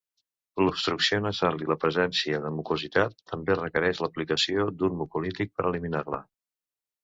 L'obstrucció nasal i la presència de mucositat també requereix l'aplicació d'un mucolític per eliminar-la.